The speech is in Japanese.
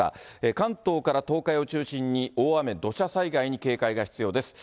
関東から東海を中心に、大雨、土砂災害に警戒が必要です。